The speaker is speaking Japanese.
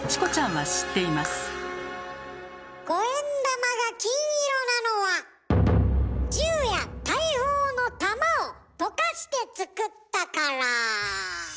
五円玉が金色なのは銃や大砲の弾を溶かしてつくったから。